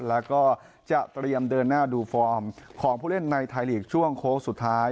แล้วก็จะเตรียมเดินหน้าดูฟอร์มของผู้เล่นในไทยลีกช่วงโค้งสุดท้าย